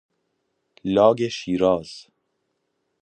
لاگ شیراز